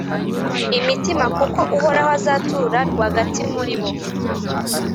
imitima kuko uhoraho azatura rwagati muri bo,